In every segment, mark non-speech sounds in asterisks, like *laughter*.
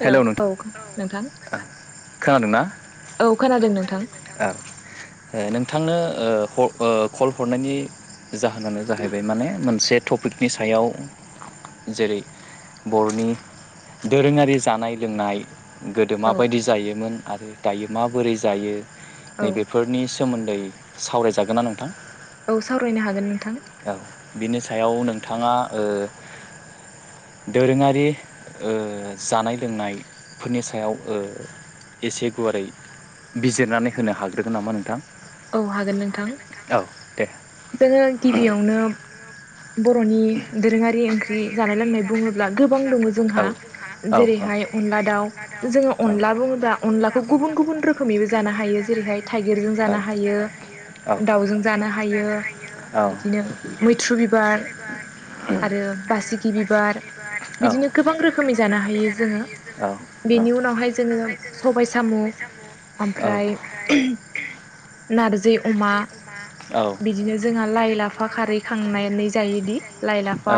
हेल' औ नोंथां। खोनादोंना औ खोनादों नोंथां। बिथांनो कल हरनायनि जाहोनानो जाहैबाय माने मोनसे टपिकनि सायाव जेरै बर'नि दोरोङारि जानाय लोंनाय गोदो औ माबायदि जायोमोन आरो दायो माबोरै जायो। औ नैबेफोरनि सोमोन्दै सावरायजागोनना नोंथां? औ सावरायनो हागोन नोंथां। औ बिनि सायाव नोंथाङा ओ दोरोङारि जानाय लोंनायफोरनि सायाव एसे गुवारै बिजिरनानै होनो हाग्रोगोन नामा नोंथां? औ हागोन नोंथां औ दे जोङो गिबियावनो बर'नि दोरोङारि ओंख्रि जानाय लोंनाय बुङोब्ला गोबां दङ जोंहा औ औ औ जेरैहाय अनला दाउ जोङो अनला बुङोब्ला अनलाखौ गुबुन गुबुन रोखोमनिबो जानो हायो। जेरैहाय टाइगिरजों जानो हायो। दाउजों जानो हायो औ बिदिनो मैथ्रु बिबार आरो बासिगि बिबार औ बिदिनो गोबां रोखोमै जानो हायो जोङो। बेनि औ उनावहाय जोङो सबाय साम' औ ओमफ्राय नारजि अमा बिदिनो जोंहा लाइ लाफा खारै खांनाय नो जायोदि लाइ लाफा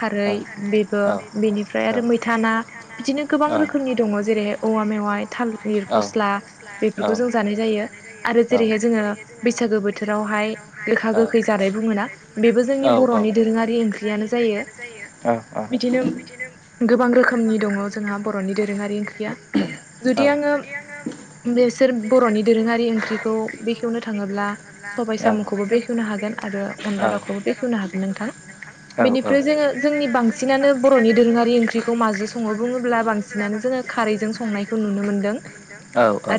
खारै बेबो बेनिफ्राय आरो मैथा ना बिदिनो गोबां रोखोमनि दङ' जेरैहाय औवा मेवाइ थालिर फस्ला बेफोरखौ जों जानाय जायो आरो जेरैहाय जोङो बैसागो बोथोरावहाय गोखा गोखै जानाय बुङोना बेबो जोंनि बर न'नि दोरोङारि ओंख्रियानो जायो ओ ओ बिदिनो गोबां रोखोमनि दङ' जोंहा बर'नि दोरोङारि ओंख्रिया जुदि आङो बेसोर बर'नि दोरोङारि ओंख्रिखौ बेखेवनो थाङोब्ला सबाय जों साम'खौबो बेखेवनो हा हागोन आरो अनला दावखौबो बेखेवनो हागोन नोंथां । नोंथां औ बेनिफ्राय जोङो जोंनि बांसिनानो बर'नि दोरोङारि ओंख्रिखौ माजों सङो बुङोब्ला बांसिनानो जोङो खारैजों संनायखौ नुनो मोन्दों । औ औ ।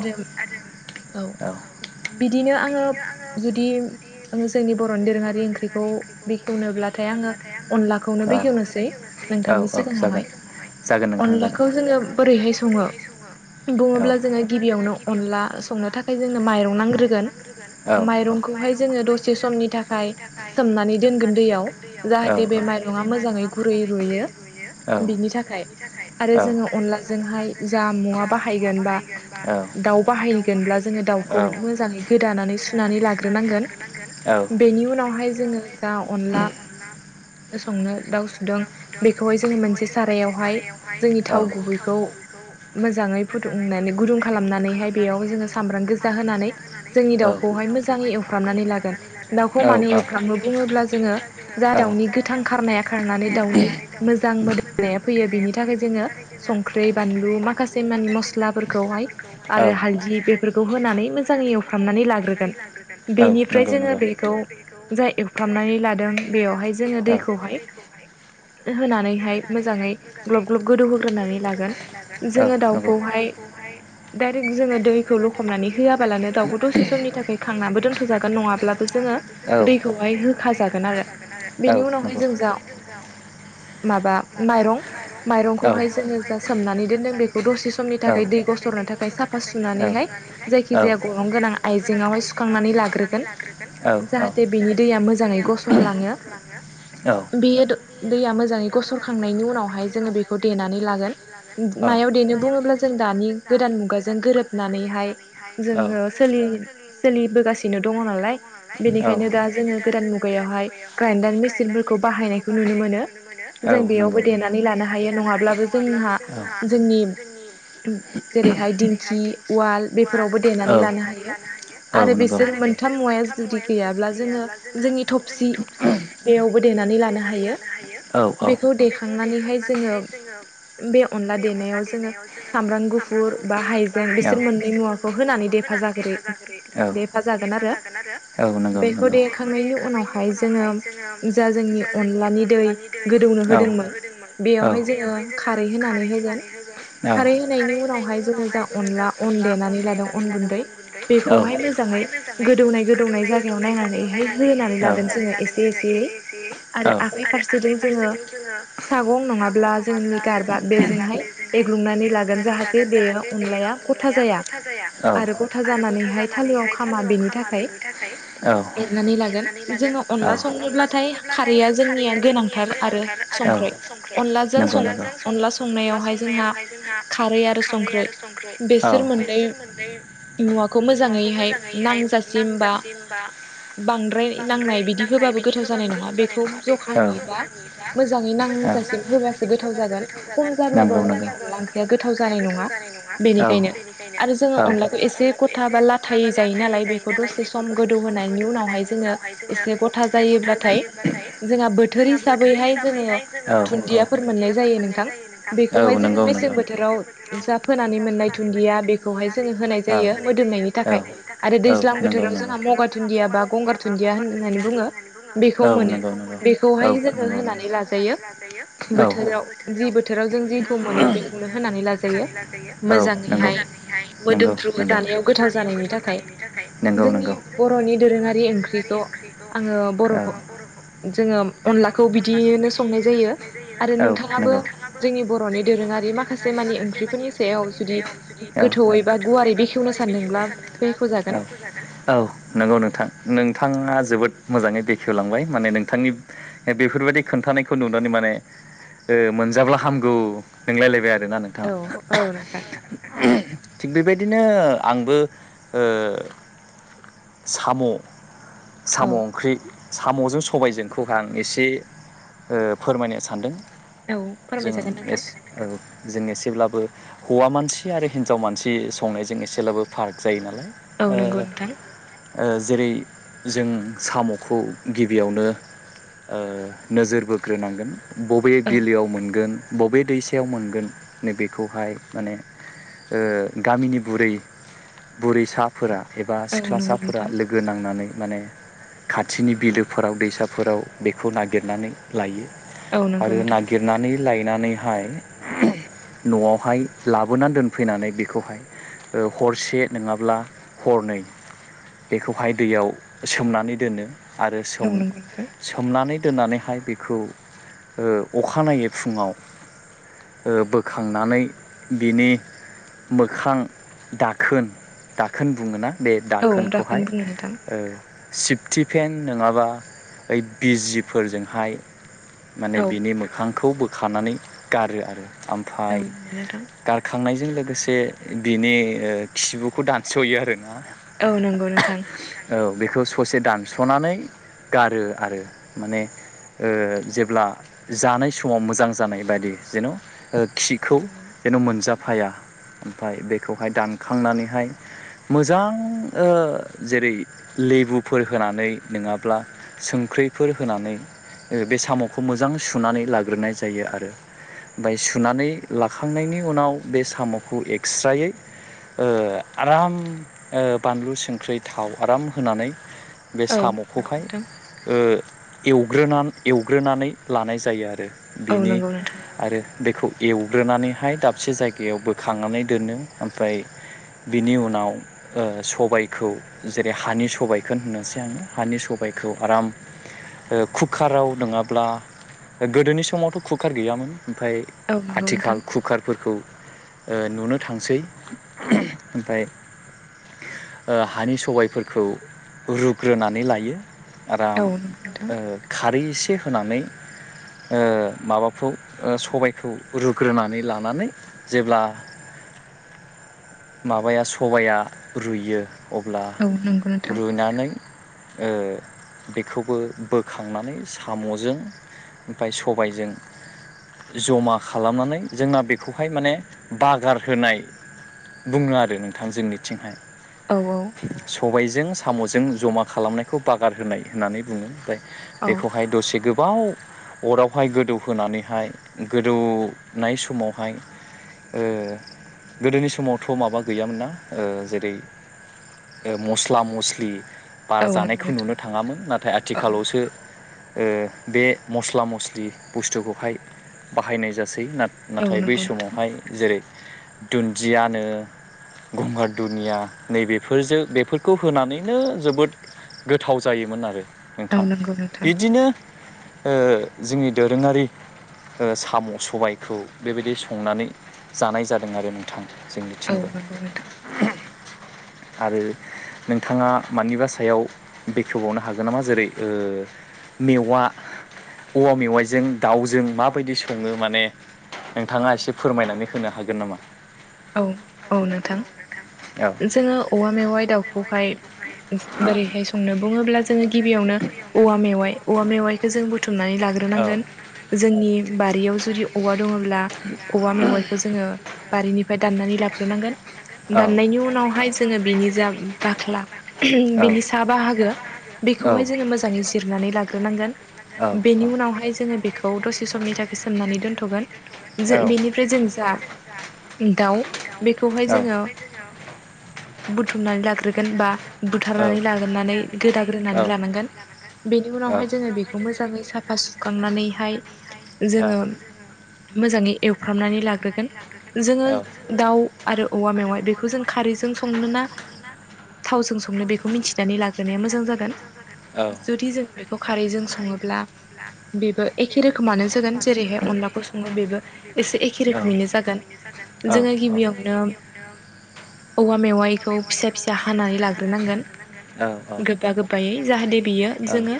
औ । बिदिनो आङो जुदि आङो जोंनि बर'नि दोरोङारि ओंख्रिखौ बेखेवनोब्लाथाय आङो अनलाखौनो बेखेवनोसै नोंथांनि सिगाङावहाय नोंथाङा एसे अनलाखौ जोङो बोरैहाय सङो रोंखाबाय बुङोब्ला जोङो गिबियावनो अनला संनो थाखाय जोंनो माइरं नांग्रोगोन औ औ माइरंखौहाय जोङो दसे समनि थाखाय सोमनानै दोनगोन दैयाव जाहाथे बे माइरङा मोजाङै गुरै रुयो बिनि थाखाय । आरो जोङो अनलाजोंहाय जा मुवा बाहायगोन बा दाउ बाहायगोनब्ला जोङो दाउखौ मोजाङै गोदानानै सुनानै लाग्रोनांगोन बेनि उनावहाय जोङो दाव अनला संनो दाउ सुदों बेखौहाय जोङो मोनसे सारायावहाय जोंनि थाव गुबैखौ मोजाङै फुदुंनानै गुदुं खालामनानैहाय बेयाव जोङो सामब्राम गोजा होनानै जोंनि दाउखौहाय मोजाङै एवफ्रामनानै लागोन दाउखौ मानो एवफ्राम बुङोब्ला जोङो जा दाउनि गोथां खारनाया खारनानै दाउनि मोजां मोदोमनाया फैयो बि -नि थाखाय ज संख्रै, बानलु माखासे मानि आरो बेनिफ्राय हालदि बेखौ होनानै मोजाङै एवफ्रामनानै लाग्रोगोन बेनिफ्राय जोङो बेखौ जा एवफ्रामनानै लादों बेयावहाय जोङो दैखौहाय होनानैहाय मोजाङै ग्लब ग्लब गोदौ होग्रोनानै लागोन । जोङो दाउखौहाय डाइरेक्ट जोङो दैखौ लखबनानै होआबालानो दावखौ दसे समनि थाखाय खांनाबो दोनथ'जागोन नङाब्ला जोङो दैखौहाय होखा जागोन आरो बेनि उनावहाय जों जा माबा माइरं माइरंखौहाय जोङो जा सोमनानै दोनदों बेखौ दसे समनि थाखाय दै गसरनो थाखाय साफा सुनानै हाय जायखि जाया गरं गोनां आइजेंआवहाय सुखांनानै लाग्रोगोन जाहाथे बेनि दैया मोजाङै गसरलाङो बेयो दैया मोजाङै गसरखांनायनि उनावहाय जोङो बेखौ देनानै लागोन मायाव देनो बुङोब्ला जों दानि गोदान मुगाजों गोरोबनानैहाय *unintelligible* जोङो सोलि सोलिबोगासिनो दङ' नालाय बेनिखायनो दा जोङो गोदान मुगायावहाय ग्राइडार मेसिनफोरखौ बाहायनायखौ नुनो मोनो । जों बेयावबो देनानै लानो हायो नङाब्लाबो जोंहा जोंनि जेरैहाय दिंखि उवाल बे फोरावबो देनानै लानो हायो आरो बिसोर मोनथाम मुवाया जुदि गैयाब्ला जोङो जोंनि थफसि बेयावबो देनानै लानो हायो औ औ बेखौ देखांनानैहाय जोङो बे अनला देनायाव जोङो सामब्राम गुफुर बा हाइजें बिसोर मोननै मुवाखौ होनानै देफाजाग्रोयो । देफा जागोन आरो औ नंगौ नंगौ। देखांनायनि उनावहाय जोङो जा जोंनि अनलानि दै दौनो होदोंमोन बेयावहाय जोङो खारै होनानै होगोन खारै होनायनि उनावहाय जोङो जा अनला अन देनानै लादों अन गुन्दै हाय होनानै लागोन जोङो एसे एसे आरो आगै फारसेयाव जोङो मागं नङाब्ला जोंनि गामा बेजोंहाय एग्रुंनानै लागोन जाहाथे बे अनलाया गथा जाया आरो गथा जानानैहाय थालिरयाव खामा बेनि थाखाय एरनानै लागोन अनला सङोब्लाथाय खारैया जोंनिया गोनांथार आरो संखै अनलाजों सं अनलाजों अनला अनला संनायावहाय जोंहा खारै आरो संख्रै बेसोर मोनै मुवाखौ मोजाङैहाय नांजासिम बा जिमबा बांद्राय बांद्राय नांनाय बिदि गोथाव जानाय होबाबो नङा गोथाव जानाय नङा बेखौ जखानि बा जखानिबा मोजाङै नांजासिम मोजां होबासो गोथाव जागोन खम जाब्लाबो नंगौ जोंनि नंगौ अनला ओंख्रिया गोथाव जानाय नङा बेनिखायनो आरो जोङो अनलाखौ एसे गथा बा लाथायै औ *inaudible* नि उनावहाय जोङो एसे गथा जायोब्लाथाय जोंहा बोथोर हिसाबैहाय जोङो दुदियाफोर मोननाय जायो नोंथां बेखौहाय जोङो मेसें बोथोराव जा फोनानै मोन आरो हाथुन दुनदिदिया बा गंगारुदिया होननानै बुङो बेखौ मोनो बेखौहाय जोङो होनानै लाायो। बोथोराव जि बोथोराव जों जि खौ मोनो बिखौनो होनानै लाजायो। मोजाङैहाय मोदोमफ्रु जानायाव गोथाव जानायनि थाखाय आङो जोंनि बर'खौ बर'नि दोरोङारि ओंख्रिखौ आङो बर'खौ जोङो अनलाखौ बिदियैनो संनाय जायो आरो नोंथाङाबो जोंनि बर'नि दोरोङारि माखासे मानि ओंख्रिफोरनि सायाव जुदि गोथौयै बा गुवारै बेखेवनो सानदोंब्ला बेखेवजागोन औ औ नंगौ नोंथां नोंथाङा जोबोद मोजाङै बेखेवलांबाय माने नोंथांनि बेफोर बेबायदि खोन्थानायखौ नुनानै माने मोनजाब्ला हामगौ नोंलायलायबाय आरोना नोंथां औ औ नोंथां थिग बेबायदि बिदिनो आंबो ओ साम' औ साम' ओंख्रि साम'जों सबायजोंखौह आं एसे फोरमायनो सानदों। औ जों फोरमायजागोन नोंथां एसे ओ जों एसेब्लाबो हौवा मानसि आरो हिनजाव मानसि संनायजों एसेब्लाबो फाराग जायो नालाय। औ ओ नंगौ नोंथां। ओ जेरै जों साम'खौ गिबियावनो ओ नोजोर बोग्रोनांगोन बबे औ बिलोयाव मोनगोन। बबे दैसायाव मोनगोन नैबेखौहाय माने ओ गामिनि बुरै बुरैसाफोरा एबा औ नंगौ सिख्लासाफोरा नोंथां लोगो नांनानै माने खाथिनि बिलोफोराव दैसाफोराव बेखौ नागिरनानै लायो। औ नंगौ आरो नोंथां नागिरनानै लायनानैहाय न'आवहाय लाबोनानै दोनफैनानै बेखौहाय हरसे नङाब्ला हरनै बेखौहाय दैयाव सोमनानै दोनो आरो औ सोम नंगौ नोंथां सोमनानै दोननानै ओ बोखांनानै बिनि मोखां दाखोन औ दाखौनो खोनखौहाय बुङो नोंथां ओ सिफटि फेन नङाबा ओइ बिजिफोरजोंहाय माने औ बिनि मोखांखौ बोखानानै गारो आरो औ ओमफाय नंगौ नोंथां गारखांनाय जों लोगोसे बिनि ओ खिबुखौ दानस'यो आरोना । औ नंगौ नोंथां। बेखौ ससे दानस'नानै गारो आरो माने ओ जेब्ला जानाय समाव मोजां जानाय बायदि जेन' खिखौ औ नंगौ जेन' मोनजाफाया ओमफाय बेखौहाय दानखांनानैहाय मोजां ओ जेरै लेबुफोर होनानै नोंङाब्ला संख्रैफोर होनानै ओ बे साम'खौ मोजां सुनानै लाग्रोनाय जायो आरो। बाय सुनानै लाखांनायनि उनाव बे साम'खौ एक्स्रायै ओ आराम ओ बानलु संख्रै थाव आराम होनानै बे साम'खौहाय ओ एवग्रोना एवग्रोनानै लानाय जायो आरो औ बिनि नंगौ नोंथां आरो बेखौ एवग्रोनानैहाय दाबसे जायगायाव बोखांनानै दोनो ओमफ्राय बिनि उनाव ओ सबायखौ जेरै हानि सबायाइखोन होननोसै आंङो हानि सबायखौ आराम ओ कुकाराव नोंङाब्ला गोदोनि समावथ' कुकार गैयामोन ओमफाय औ नंगौ नोंथां औ नंगौ नोंथां आथिखाल कुकारफोरखौ ओ नुनो थांसै ओमफाय ओ हानि सबायफोरखौ रुग्रोनानै लायो। आराम औ नंगौ नोंथां ओ खारै एसे होनानै ओ माबाखौ सबायखौ रुग्रोनानै लानानै जेब्ला माबाया सबाया रुयो अब्ला औ नंगौ नोंथां रुयनानै ओ बेखौबो बोखांनानै साम'जों ओमफाय सबायजों जमा खालामनानै जोंना बेखौहाय माने बागार होनाय बुंङो आरो नोंथां जोंनिथिंहाय औ औ सबायाइजों साम'जों जमा खालामनायखौ बागार होनाय होननानै बुंङो ओमफ्राय औ बेखौहाय दसे गो बाव अरावहाय गोदौहोनानैहाय गोदौनाय समाव हाय ओ गोदोनि समावथ' माबा गैयामोन ना ओ जेरै मस्ला मस्लि औ बारा नंगौ जानायखौ नुनो नोंथां थांङामोन, नाथाय औ आथिखालावसो ओ बे मस्ला मस्लि बुस्थुखौहाय बाहायनाय जासै ना औ नाथाय बै नंगौ नोंथां समावहाय जेरै दुन्दियानो गंगार दुनिया नैबेफोरजो बेफोरखौ होनानैनो जोबोद गोथाव जायोमोन आरो नोंथां औ नंगौ नोंथां बिदिनो ओ जोंनि दोरोंङारि ओ साम' सबायखौ बेबायदि संनानै जानाय जादों आरो नोंथां। औ जोंनिथिंबो नंगौ नोंथां। आरो नोंथांङा मानिबा सायाव बेखेवबावनो हागोन नामा जेरै ओ मेवा औवा मेवाइजों दावजों माबायदि संङो माने नोंथांङा एसे फोरमायनानै होनो हागोन नामा? औ औ नोंथां। औ जोंङो औवा मेवाय दाव खौहाय बोरैहाय संनो बुंङोब्ला जोंङो गिबियावनो औवा मेवाइ औवा मेवाइखौ जों बुथ थुमनानै लाग्रोनांगोन जोंनि बारियाव जुदि औवा दंङोब्ला औवा मेवाइखौ जोंङो बारिनिफ्राय दाननानै लाग्रोनांगोन। दाननायनि उनावहाय जोङो बेनि जा बाख्ला बेनि सा बाहागो बेखौहाय जोङो मोजाङै जिर नानै लाग्रोनांगोन बेनि उनावहाय जोङो बेखौ दसे समनि थाखाय सोमनानै दोनथ'गोन जो बेनिफ्राय जों जा दाउ बेखौहाय जोङो फुदुंनानै बुथुमनानै लाग्रोगोन बा बुथारनानै लाग्रोनानै गोदाग्रोनानै लानांगोन बेनि उनावहाय जोङो बेखौ मोजाङै साफा सु सुखांनानैहाय जोङो मोजाङै एवफ्रामनानै लाग्रोगोन जोङो दाउ आरो औवा मेवाइ बेखौ जों खारैजों संनो ना थावजों संनो बेखौ मिथिनानै लाग्रोनाया मोजां जागोन । जुदि जोंङो बेखौ खारैजों सङोब्ला बेबो एखे रोखोमानो जागोन जेरैहाय अनलाखौ सङो बेबो एसे एखे रोखोमैनो जागोन । जोङो गिबियावनो औवा मेवायखौ फिसा फिसा हानानै लाग्रोनांगोन औ औ गोबा गोबायै जाहाथे बियो जोङो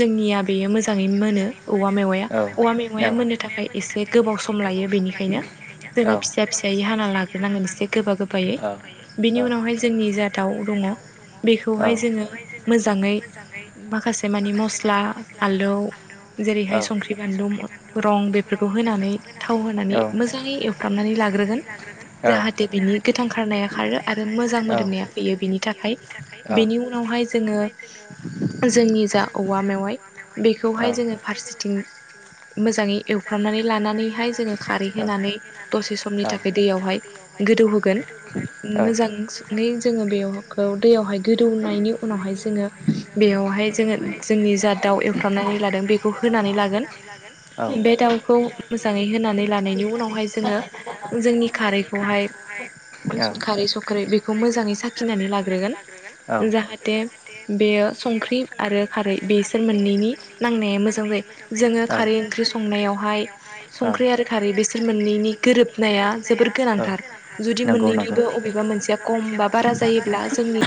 जोंनिया बेयो मोजाङै मोनो औवा मेवाया औ औवा मेवाया मोननो थाखाय एसे गोबाव सम लायो बेनिखायनो जोङो फिसा फिसायै हाना लाग्रोनांगोन एसे गोबा गोबायै । बिनि उनावहाय जोंनि जा दाउ दङ बेखौहाय जोङो मोजाङै माखासे मानि मस्ला आलौ जेरैहाय संख्रि, बानलु, रं बेफोरखौ होनानै थाव होनानै मोजां मोजाङै एवफ्रामनानै लाग्रोगोन लाग्रोगोन जाहाथे बिनि गोथां खारनाया खारो आरो मोजां मोदोमनाया फैयो बिनि थाखाय । बेनि उनावहाय जोङो जोंनि जा औवा मेवाइ बेखौहाय जोङो फारसेथिं मोजाङै एवफ्रामनानै लानानै बेहाय जोङो खारै होनानै दसे समनि थाखाय दैयावहाय गोदौ होगोन उम औ मोजां नै जोङो बेखौ दैयावहाय गोदौनायनि उनावहाय जोङो बेयावहाय जोङो जोंनि जा दाउ एवफ्रामनानै लादों बेखौ होनानै लागोन औ बे दाउखौ मोजाङै होनानै लानायनि उ नावहाय जोङो जोंनि खारैखौहाय खारै संख्रै बेखौ मोजाङै साखि नानै लाग्रोगोन औ औ जाहाथे बेयो संख्रि आरो खारै बेसो नांनाया मोजां जायो । जोङो खारै ओंख्रि संनायावहाय संख्रि आरो खारै बे मोननैनि गोरोबनाया जोबोर गोनांथार जुदि मोननैनिबो बबेबा मोनसेया खम बा बारा जायो ब्ला जोंनि